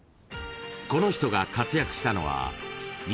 ［この人が活躍したのは］